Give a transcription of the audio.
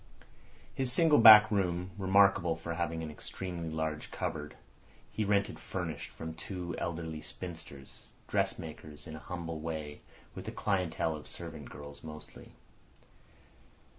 His single back room, remarkable for having an extremely large cupboard, he rented furnished from two elderly spinsters, dressmakers in a humble way with a clientele of servant girls mostly.